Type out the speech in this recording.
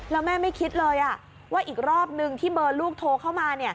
แล้วแม่ไม่คิดเลยว่าอีกรอบนึงที่เบอร์ลูกโทรเข้ามา